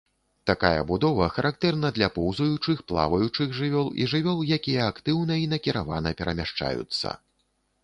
Такая будова характэрна для поўзаючых, плаваючых жывёл і жывёл, якія актыўна і накіравана перамяшчаюцца.